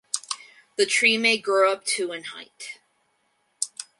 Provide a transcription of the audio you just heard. The tree may grow up to in height.